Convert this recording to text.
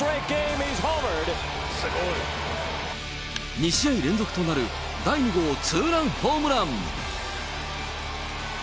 ２試合連続となる第２号ツーランホームラン。